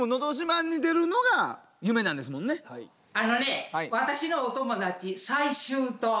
あのね私のお友達済州島